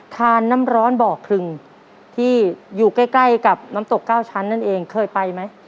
น้ำร้อนบ่อครึงที่อยู่ใกล้ใกล้กับน้ำตกเก้าชั้นนั่นเองเคยไปไหม